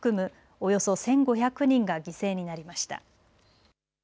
およそ１５００人が犠牲になりました。